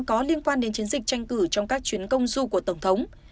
có liên quan đến chiến dịch tranh cử trong các chuyến công du của tổng thống